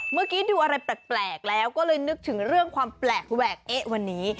เมื่อกี้ดูอะไรแปลกแล้วก็เลยนึกถึงเรื่องความแปลกแหวกเอ๊ะวันนี้